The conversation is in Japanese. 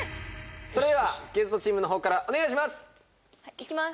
それではゲストチームの方からお願いしますいきます